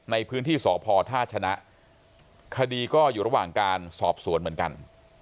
ในพื้นที่สพท่าชนะคดีก็อยู่ระหว่างการสอบสวนเหมือนกัน